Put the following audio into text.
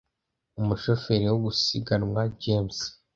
Umushoferi wo gusiganwa James